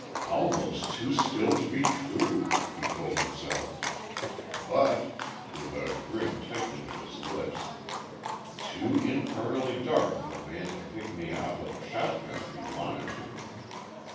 "Almost too still to be true," he told himself. "But," with a grim tightening of his lips, "too infernally dark for a man to pick me off with a shotgun if he wanted to!"